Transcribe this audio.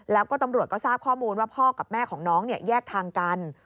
แล้วก็ตำรวจก็ทราบข้อมูลว่าพ่อกับแม่ของน้องแยกทางกัน